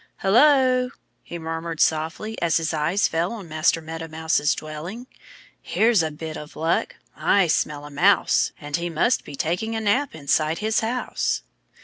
"Hullo!" he murmured softly as his eyes fell on Master Meadow Mouse's dwelling. "Here's a bit of luck. I smell a Mouse. And he must be taking a nap inside his house."